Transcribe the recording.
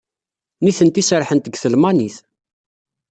Nitenti serrḥent deg talmanit.